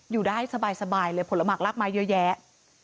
อยู่ได้สบายเลยผลหักลากไม้เยอะแยะ